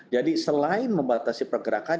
jadi selain membatasi pergerakan